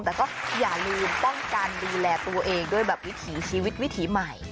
แต่ก็อย่าลืมป้องกันดูแลตัวเองด้วยแบบวิถีชีวิตวิถีใหม่